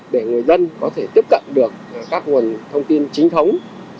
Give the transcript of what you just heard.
để người dân có thể tiếp cận được các nguồn thông tin chính thống